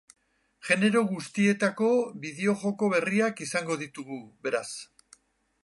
Genero guztietako bideo-joko berriak izango ditugu, beraz.